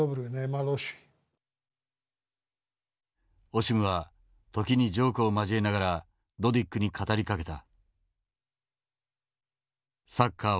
オシムは時にジョークを交えながらドディックに語りかけた。